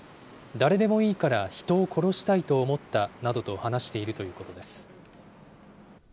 誰でもいいから人を殺したいと思ったなどと話しているということです。